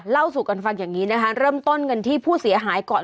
เล่าสู่กันฟังอย่างนี้นะคะเริ่มต้นกันที่ผู้เสียหายก่อน